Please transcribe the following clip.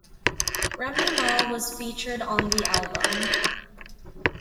Remy Ma was featured on the album.